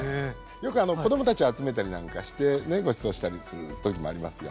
よく子供たちを集めたりなんかしてねごちそうしたりする時もありますよ。